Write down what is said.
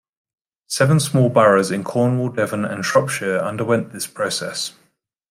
Seven small boroughs in Cornwall, Devon and Shropshire underwent this process.